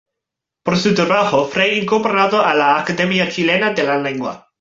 Por su trabajo, fue incorporado a la Academia Chilena de la Lengua.